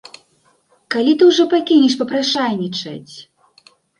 Калі ты ўжо пакінеш папрашайнічаць?